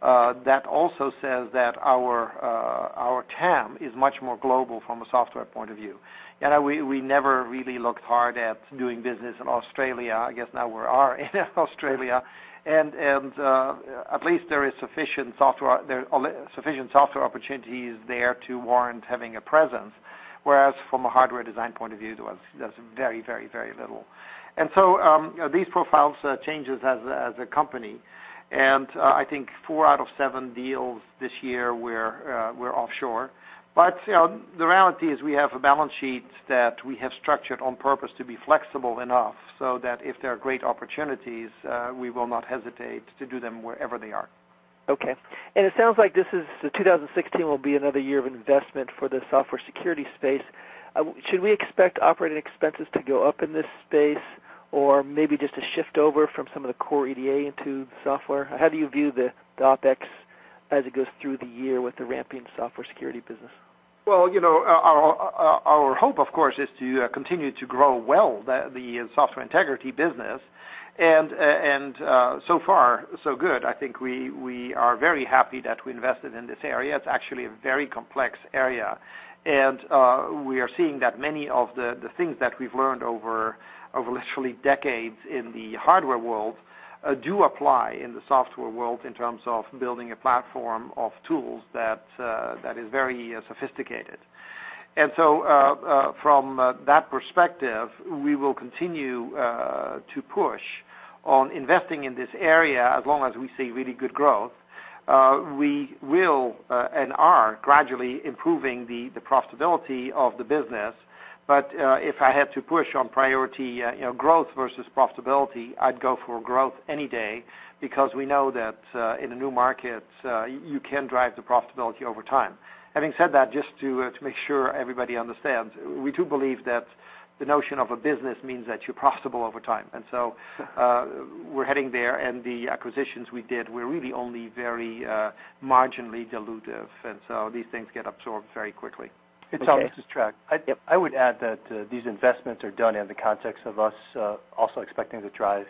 that also says that our TAM is much more global from a software point of view. We never really looked hard at doing business in Australia. I guess now we are in Australia. At least there is sufficient software opportunities there to warrant having a presence. Whereas from a hardware design point of view, there's very little. These profiles changes as a company. I think four out of seven deals this year were offshore. The reality is we have a balance sheet that we have structured on purpose to be flexible enough so that if there are great opportunities, we will not hesitate to do them wherever they are. Okay. It sounds like 2016 will be another year of investment for the software security space. Should we expect operating expenses to go up in this space? Or maybe just a shift over from some of the core EDA into software? How do you view the OpEx as it goes through the year with the ramping software security business? Well, our hope, of course, is to continue to grow well the Software Integrity business, so far, so good. I think we are very happy that we invested in this area. It's actually a very complex area, and we are seeing that many of the things that we've learned over literally decades in the hardware world do apply in the software world in terms of building a platform of tools that is very sophisticated. From that perspective, we will continue to push on investing in this area as long as we see really good growth. We will, and are gradually improving the profitability of the business. If I had to push on priority growth versus profitability, I'd go for growth any day because we know that in a new market, you can drive the profitability over time. Having said that, just to make sure everybody understands, we do believe that the notion of a business means that you're profitable over time, we're heading there, and the acquisitions we did were really only very marginally dilutive, these things get absorbed very quickly. It's on track. Yep. I would add that these investments are done in the context of us also expecting to drive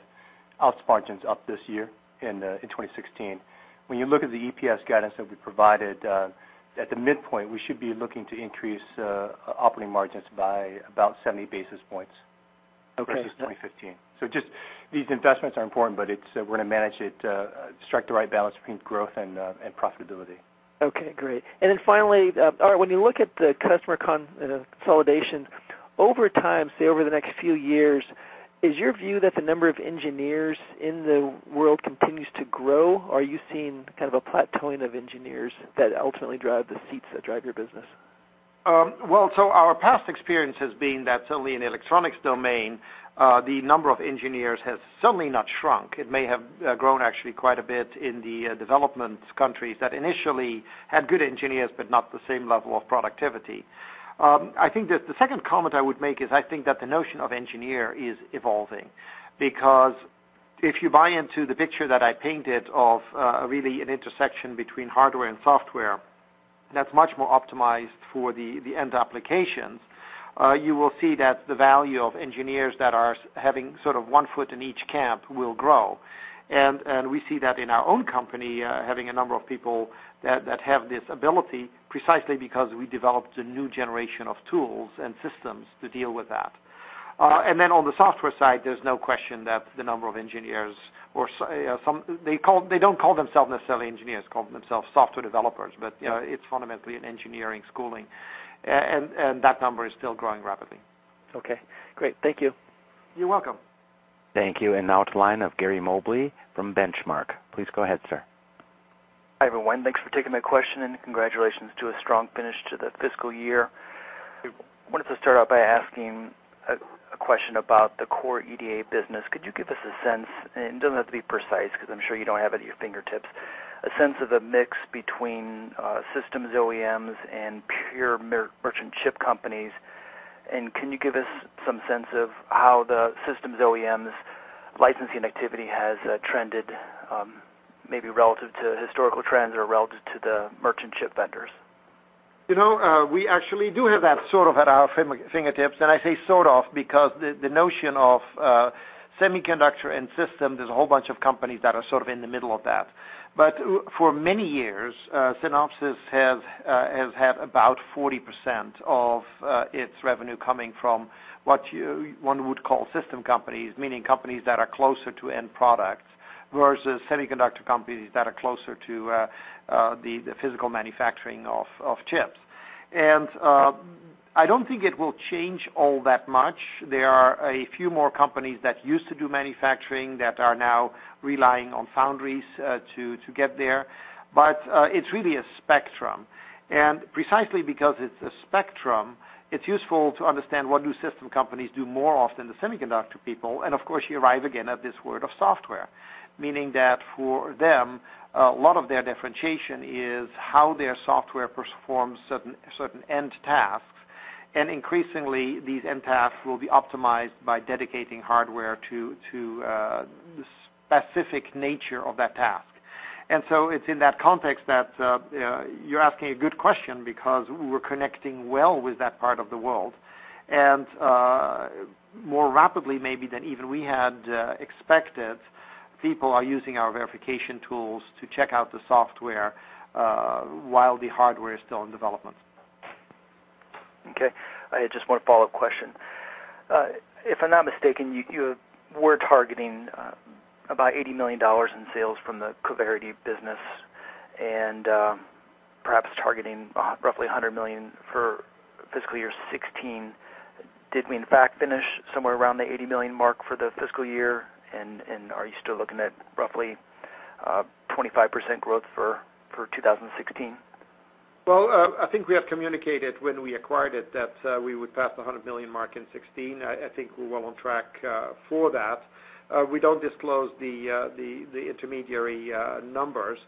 out margins up this year in 2016. When you look at the EPS guidance that we provided, at the midpoint, we should be looking to increase operating margins by about 70 basis points- Okay. -versus 2015. Just these investments are important, but we're going to manage it, strike the right balance between growth and profitability. Okay, great. Finally, Aart, when you look at the customer consolidation, over time, say, over the next few years, is your view that the number of engineers in the world continues to grow, or are you seeing kind of a plateauing of engineers that ultimately drive the seats that drive your business? Our past experience has been that certainly in the electronics domain, the number of engineers has certainly not shrunk. It may have grown actually quite a bit in the development countries that initially had good engineers, but not the same level of productivity. I think that the second comment I would make is I think that the notion of engineer is evolving. If you buy into the picture that I painted of really an intersection between hardware and software, that's much more optimized for the end applications, you will see that the value of engineers that are having sort of one foot in each camp will grow. We see that in our own company, having a number of people that have this ability precisely because we developed a new generation of tools and systems to deal with that. On the software side, there's no question that the number of engineers or some. They don't call themselves necessarily engineers, call themselves software developers, but it's fundamentally an engineering schooling, and that number is still growing rapidly. Okay, great. Thank you. You're welcome. Thank you. Now to the line of Gary Mobley from Benchmark. Please go ahead, sir. Hi, everyone. Thanks for taking my question. Congratulations to a strong finish to the fiscal year. I wanted to start out by asking a question about the core EDA business. Could you give us a sense, and it doesn't have to be precise because I'm sure you don't have it at your fingertips, a sense of the mix between systems OEMs and pure merchant chip companies? Can you give us some sense of how the systems OEMs licensing activity has trended, maybe relative to historical trends or relative to the merchant chip vendors? We actually do have that sort of at our fingertips, and I say sort of because the notion of semiconductor and system, there's a whole bunch of companies that are sort of in the middle of that. For many years, Synopsys has had about 40% of its revenue coming from what one would call system companies, meaning companies that are closer to end products, versus semiconductor companies that are closer to the physical manufacturing of chips. I don't think it will change all that much. There are a few more companies that used to do manufacturing that are now relying on foundries to get there. It's really a spectrum, and precisely because it's a spectrum, it's useful to understand what do system companies do more often than semiconductor people, and of course, you arrive again at this word of software. Meaning that for them, a lot of their differentiation is how their software performs certain end tasks, and increasingly, these end tasks will be optimized by dedicating hardware to the specific nature of that task. So it's in that context that you're asking a good question because we're connecting well with that part of the world. More rapidly maybe than even we had expected, people are using our verification tools to check out the software, while the hardware is still in development. Okay. I had just one follow-up question. If I'm not mistaken, you were targeting about $80 million in sales from the Coverity business and perhaps targeting roughly $100 million for fiscal year 2016. Did we in fact finish somewhere around the $80 million mark for the fiscal year? Are you still looking at roughly 25% growth for 2016? Well, I think we have communicated when we acquired it that we would pass the $100 million mark in 2016. I think we're well on track for that. We don't disclose the intermediary numbers.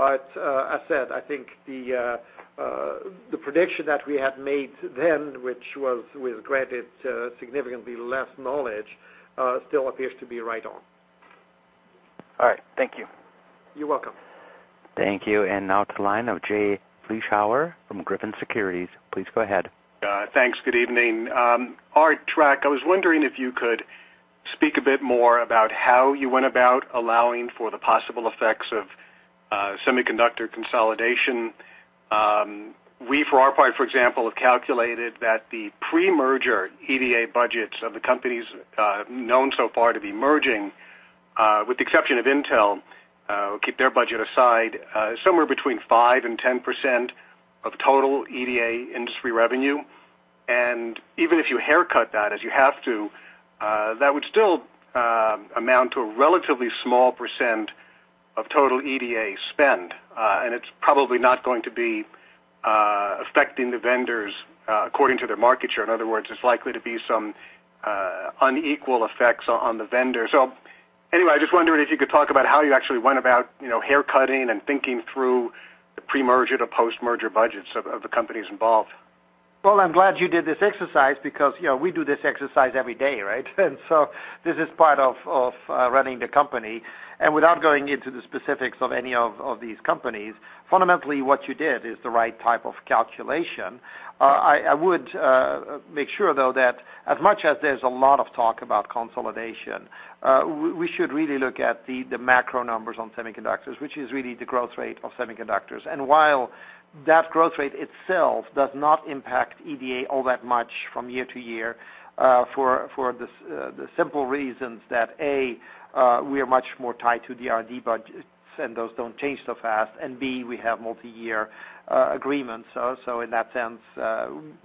As I said, I think the prediction that we had made then, which was with, granted, significantly less knowledge, still appears to be right on. All right. Thank you. You're welcome. Thank you. Now to the line of Jay Vleeschhouwer from Griffin Securities. Please go ahead. Thanks. Good evening. Aart, Trac, I was wondering if you could speak a bit more about how you went about allowing for the possible effects of semiconductor consolidation. We, for our part, for example, have calculated that the pre-merger EDA budgets of the companies known so far to be merging, with the exception of Intel, we'll keep their budget aside, somewhere between 5%-10% of total EDA industry revenue. Even if you haircut that as you have to, that would still amount to a relatively small % of total EDA spend. It's probably not going to be affecting the vendors according to their market share. In other words, there's likely to be some unequal effects on the vendor. Anyway, I was just wondering if you could talk about how you actually went about hair cutting and thinking through the pre-merger to post-merger budgets of the companies involved. Well, I'm glad you did this exercise because we do this exercise every day, right? This is part of running the company. Without going into the specifics of any of these companies, fundamentally what you did is the right type of calculation. I would make sure, though, that as much as there's a lot of talk about consolidation, we should really look at the macro numbers on semiconductors, which is really the growth rate of semiconductors. While that growth rate itself does not impact EDA all that much from year to year for the simple reasons that, A, we are much more tied to R&D budgets, and those don't change so fast. B, we have multi-year agreements. In that sense,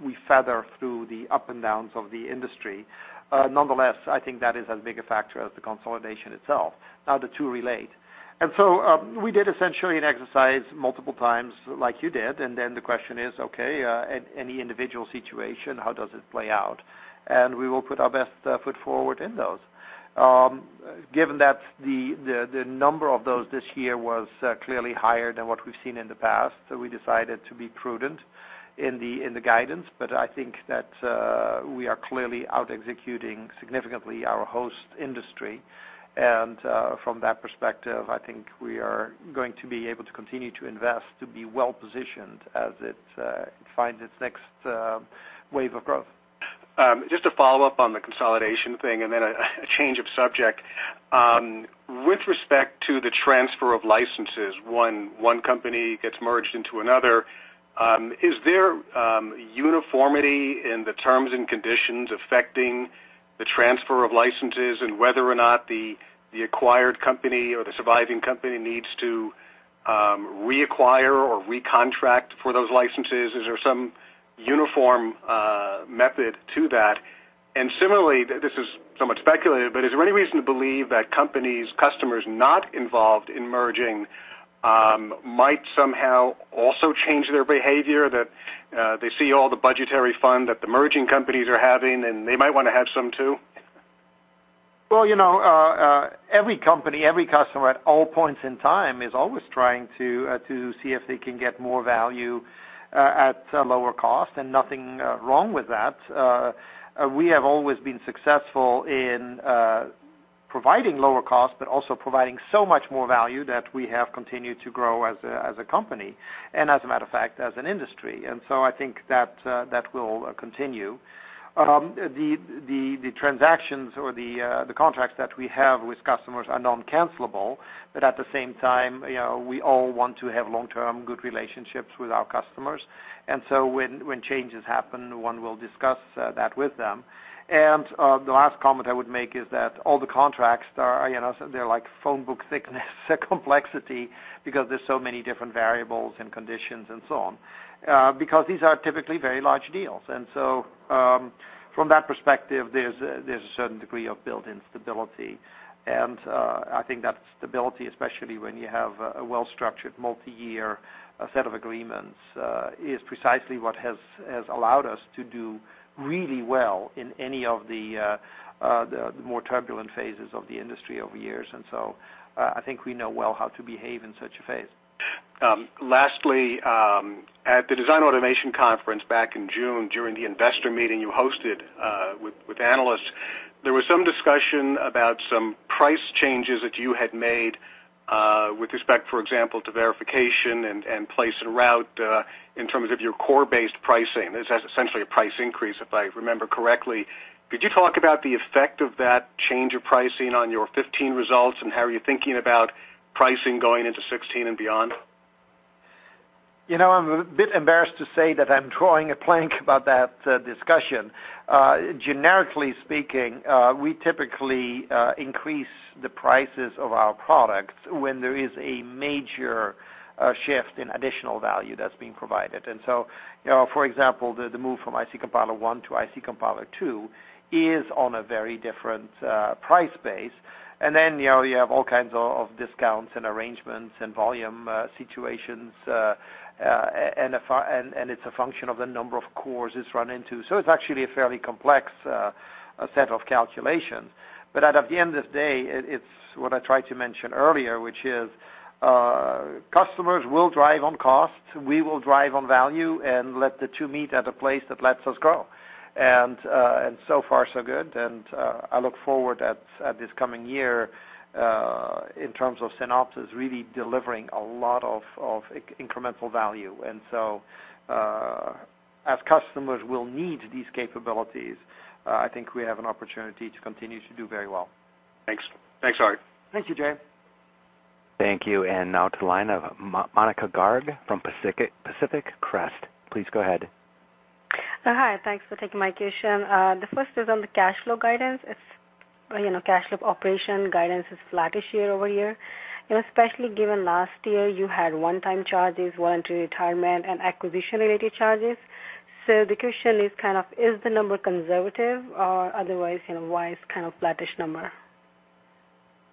we feather through the up and downs of the industry. Nonetheless, I think that is as big a factor as the consolidation itself. The two relate. We did essentially an exercise multiple times like you did, and then the question is, okay, any individual situation, how does it play out? We will put our best foot forward in those. Given that the number of those this year was clearly higher than what we've seen in the past, so we decided to be prudent in the guidance. I think that we are clearly out-executing significantly our host industry. From that perspective, I think we are going to be able to continue to invest to be well-positioned as it finds its next wave of growth. Just to follow up on the consolidation thing and then a change of subject. With respect to the transfer of licenses, one company gets merged into another, is there uniformity in the terms and conditions affecting the transfer of licenses and whether or not the acquired company or the surviving company needs to reacquire or recontract for those licenses? Is there some uniform method to that? Similarly, this is so much speculative, but is there any reason to believe that companies, customers not involved in merging might somehow also change their behavior, that they see all the budgetary funds that the merging companies are having, and they might want to have some too? Well, every company, every customer at all points in time is always trying to see if they can get more value at lower cost, and nothing wrong with that. We have always been successful in providing lower cost but also providing so much more value that we have continued to grow as a company and as a matter of fact, as an industry. I think that will continue. The transactions or the contracts that we have with customers are non-cancelable, but at the same time, we all want to have long-term good relationships with our customers. When changes happen, one will discuss that with them. The last comment I would make is that all the contracts are like phone book thickness complexity because there's so many different variables and conditions and so on, because these are typically very large deals. From that perspective, there's a certain degree of built-in stability. I think that stability, especially when you have a well-structured multi-year set of agreements, is precisely what has allowed us to do really well in any of the more turbulent phases of the industry over years. I think we know well how to behave in such a phase. Lastly, at the Design Automation Conference back in June, during the investor meeting you hosted with analysts, there was some discussion about some price changes that you had made with respect, for example, to verification and place and route in terms of your core-based pricing. This has essentially a price increase, if I remember correctly. Could you talk about the effect of that change of pricing on your 2015 results, and how are you thinking about pricing going into 2016 and beyond? I'm a bit embarrassed to say that I'm drawing a blank about that discussion. Generically speaking, we typically increase the prices of our products when there is a major shift in additional value that's being provided. For example, the move from IC Compiler 1 to IC Compiler 2 is on a very different price base. Then, you have all kinds of discounts and arrangements and volume situations, and it's a function of the number of cores it's run into. It's actually a fairly complex set of calculations. At the end of the day, it's what I tried to mention earlier, which is customers will drive on cost, we will drive on value, and let the two meet at a place that lets us grow. So far so good, and I look forward at this coming year in terms of Synopsys really delivering a lot of incremental value. So as customers will need these capabilities, I think we have an opportunity to continue to do very well. Thanks. Thanks, Aart. Thank you, Jay. Thank you. Now to the line of Monika Garg from Pacific Crest. Please go ahead. Hi, thanks for taking my question. The first is on the cash flow guidance. Cash flow operation guidance is flattish year-over-year. Especially given last year, you had one-time charges, voluntary retirement, and acquisition-related charges. The question is the number conservative, or otherwise, why is kind of flattish number?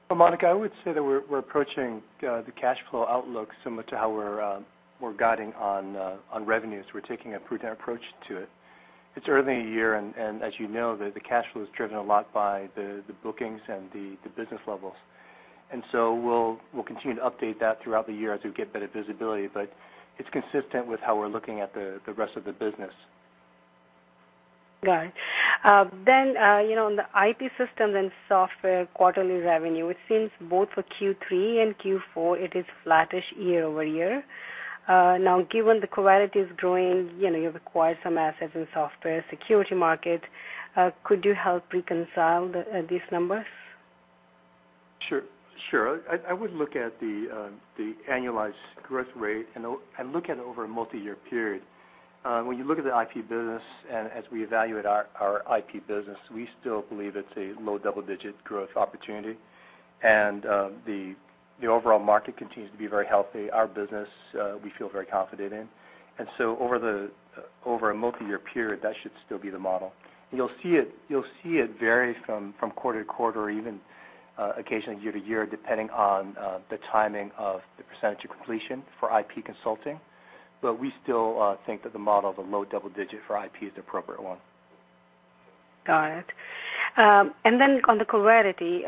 Well, Monika, I would say that we're approaching the cash flow outlook similar to how we're guiding on revenues. We're taking a prudent approach to it. It's early in the year, as you know, the cash flow is driven a lot by the bookings and the business levels. We'll continue to update that throughout the year as we get better visibility. It's consistent with how we're looking at the rest of the business. Got it. On the IP system and software quarterly revenue, it seems both for Q3 and Q4, it is flattish year-over-year. Now, given the Coverity is growing, you've acquired some assets in software security market, could you help reconcile these numbers? Sure. I would look at the annualized growth rate and look at it over a multi-year period. When you look at the IP business and as we evaluate our IP business, we still believe it's a low double-digit growth opportunity. The overall market continues to be very healthy. Our business, we feel very confident in. Over a multi-year period, that should still be the model. You'll see it vary from quarter-to-quarter or even occasionally year-to-year, depending on the timing of the percentage of completion for IP consulting. We still think that the model of a low double-digit for IP is the appropriate one. Got it. On the Coverity,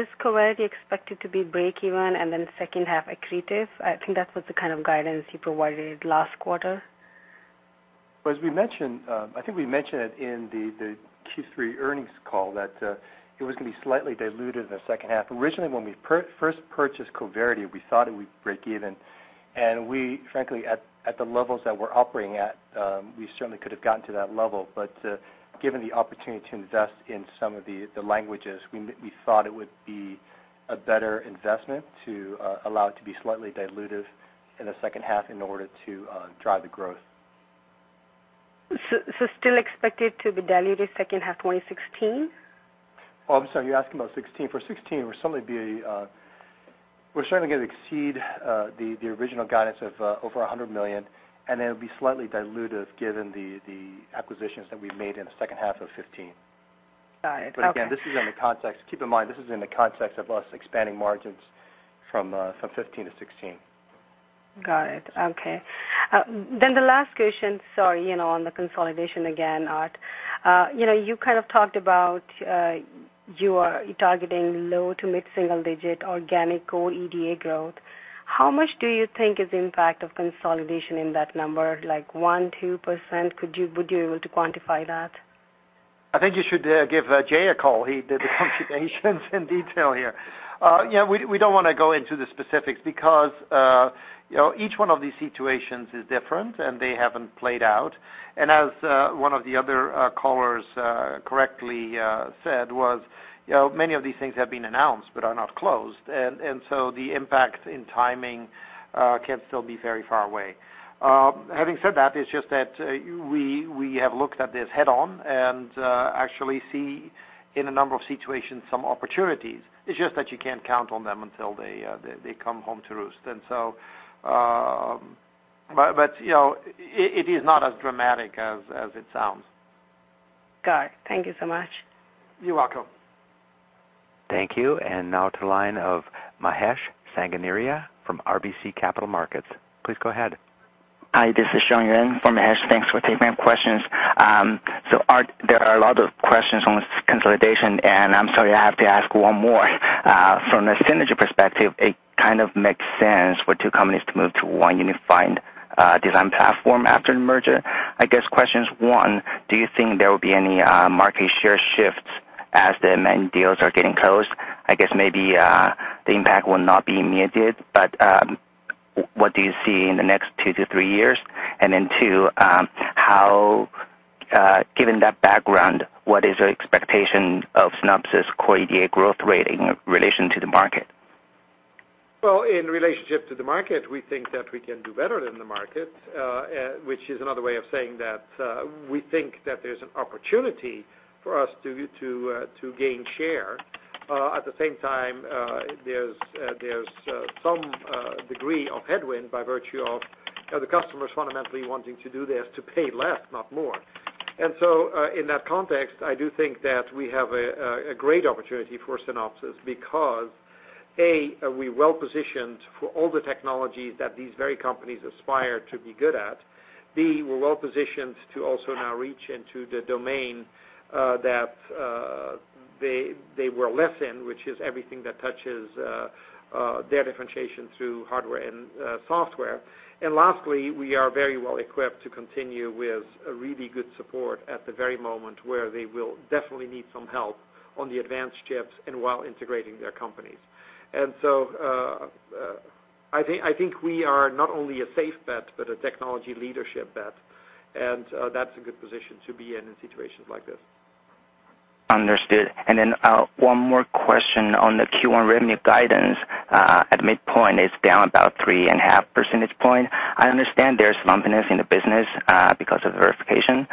is Coverity expected to be break-even and then second half accretive? I think that was the kind of guidance you provided last quarter. Well, I think we mentioned it in the Q3 earnings call that it was going to be slightly dilutive in the second half. Originally, when we first purchased Coverity, we thought it would break-even. We, frankly, at the levels that we're operating at, we certainly could have gotten to that level. Given the opportunity to invest in some of the languages, we thought it would be a better investment to allow it to be slightly dilutive in the second half in order to drive the growth. Still expected to be dilutive second half 2016? I'm sorry. You're asking about 2016. For 2016, we're certainly going to exceed the original guidance of over $100 million, and it'll be slightly dilutive given the acquisitions that we've made in the second half of 2015. Got it. Okay. Again, keep in mind, this is in the context of us expanding margins from 2015 to 2016. Got it. Okay. The last question, sorry, on the consolidation again, Aart. You kind of talked about you are targeting low to mid-single-digit organic core EDA growth. How much do you think is the impact of consolidation in that number? Like 1%, 2%? Would you be able to quantify that? I think you should give Jay a call. He did the computations in detail here. We don't want to go into the specifics because each one of these situations is different, and they haven't played out. As one of the other callers correctly said was, many of these things have been announced but are not closed. The impact in timing can still be very far away. Having said that, it's just that we have looked at this head on and actually see in a number of situations, some opportunities. It's just that you can't count on them until they come home to roost. It is not as dramatic as it sounds. Got it. Thank you so much. You're welcome. Thank you. Now to the line of Mahesh Sanganeria from RBC Capital Markets. Please go ahead. Hi, this is Shawn Yuan for Mahesh. Thanks for taking my questions. Aart, there are a lot of questions on consolidation, I'm sorry, I have to ask one more. From a synergy perspective, it kind of makes sense for two companies to move to one unified design platform after the merger. Questions, one, do you think there will be any market share shifts as the main deals are getting closed? Maybe the impact will not be immediate, but what do you see in the next two to three years? Two, given that background, what is your expectation of Synopsys core EDA growth rating in relation to the market? In relationship to the market, we think that we can do better than the market, which is another way of saying that we think that there's an opportunity for us to gain share. At the same time, there's some degree of headwind by virtue of the customers fundamentally wanting to do this, to pay less, not more. In that context, I do think that we have a great opportunity for Synopsys because A, we're well-positioned for all the technologies that these very companies aspire to be good at. B, we're well-positioned to also now reach into the domain that they were less in, which is everything that touches their differentiation through hardware and software. Lastly, we are very well equipped to continue with really good support at the very moment where they will definitely need some help on the advanced chips while integrating their companies. I think we are not only a safe bet, but a technology leadership bet, and that's a good position to be in in situations like this. Understood. One more question on the Q1 revenue guidance. At midpoint, it's down about three and a half percentage point. I understand there's lumpiness in the business because of verification.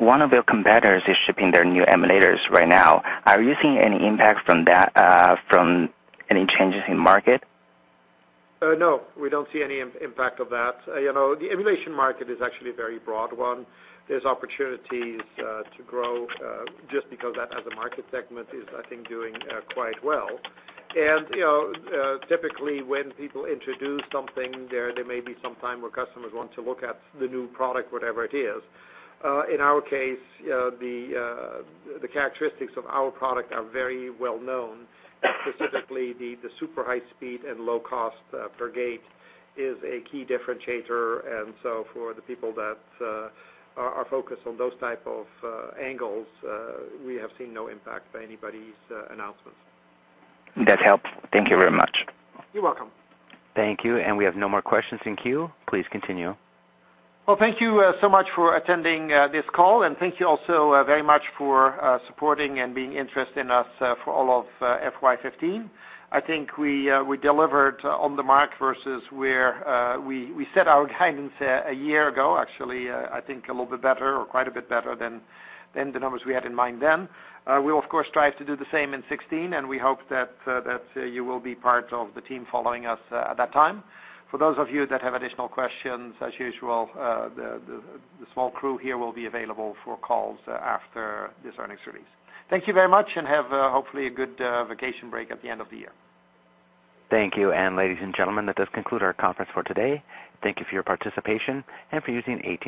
One of your competitors is shipping their new emulators right now. Are you seeing any impact from any changes in market? No. We don't see any impact of that. The emulation market is actually a very broad one. There's opportunities to grow just because that as a market segment is, I think, doing quite well. Typically, when people introduce something, there may be some time where customers want to look at the new product, whatever it is. In our case, the characteristics of our product are very well known. Specifically, the super high speed and low cost per gate is a key differentiator. For the people that are focused on those type of angles, we have seen no impact by anybody's announcements. That helps. Thank you very much. You're welcome. Thank you. We have no more questions in queue. Please continue. Well, thank you so much for attending this call, and thank you also very much for supporting and being interested in us for all of FY 2015. I think we delivered on the mark versus where we set our guidance a year ago, actually, I think a little bit better or quite a bit better than the numbers we had in mind then. We will, of course, strive to do the same in 2016, and we hope that you will be part of the team following us at that time. For those of you that have additional questions, as usual, the small crew here will be available for calls after this earnings release. Thank you very much, and have hopefully a good vacation break at the end of the year. Thank you. Ladies and gentlemen, that does conclude our conference for today. Thank you for your participation and for using AT&T teleconference services.